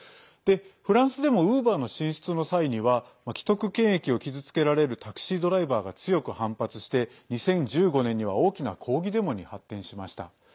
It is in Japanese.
フランスでもウーバーの進出の際には既得権益を傷つけられるタクシードライバーが強く反発して、２０１５年には大きな抗議デモに発展しました。